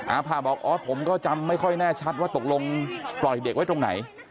ผ่าบอกอ๋อผมก็จำไม่ค่อยแน่ชัดว่าตกลงปล่อยเด็กไว้ตรงไหน